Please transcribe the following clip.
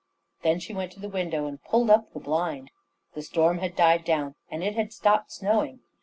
Then she went to the window and pulled up the blind. The storm had died down, and it had stopped snowing.